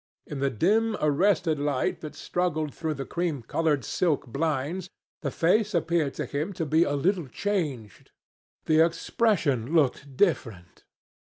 In the dim arrested light that struggled through the cream coloured silk blinds, the face appeared to him to be a little changed. The expression looked different.